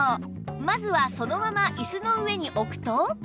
まずはそのまま椅子の上に置くと